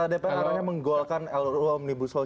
dpr aranya menggolkan lru omnibus hoci